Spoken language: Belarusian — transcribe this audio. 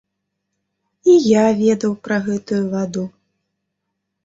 І я ведаў пра гэтую ваду.